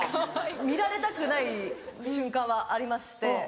見られたくない瞬間はありまして。